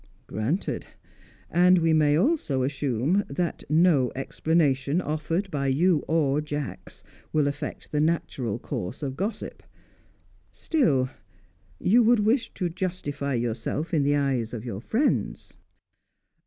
"Granted. And we may also assume that no explanation offered by you or Jacks will affect the natural course of gossip. Still, you would wish to justify yourself in the eyes of your friends."